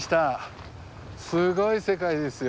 すごい世界ですよ。